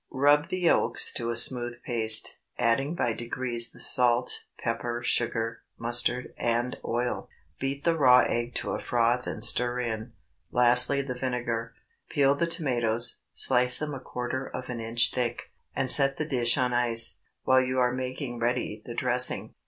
Rub the yolks to a smooth paste, adding by degrees the salt, pepper, sugar, mustard, and oil. Beat the raw egg to a froth and stir in—lastly the vinegar. Peel the tomatoes, slice them a quarter of an inch thick, and set the dish on ice, while you are making ready the dressing.